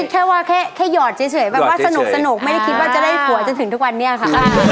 แค่ว่าแค่หยอดเฉยแบบว่าสนุกไม่ได้คิดว่าจะได้ผัวจนถึงทุกวันนี้ค่ะ